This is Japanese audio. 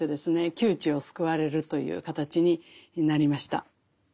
窮地を救われるという形になりました。